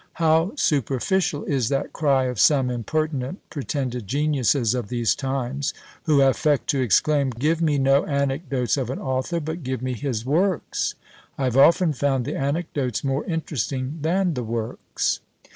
How superficial is that cry of some impertinent pretended geniuses of these times who affect to exclaim, "Give me no anecdotes of an author, but give me his works!" I have often found the anecdotes more interesting than the works.